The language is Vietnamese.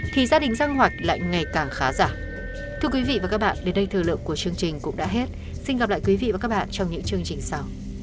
thì gia đình giang hoạch lại ngày càng khá giả